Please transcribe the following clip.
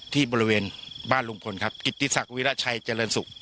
ที่บริเวณบ้านลุงพลครับกิตติสักวิราชัยเจริญศุกร์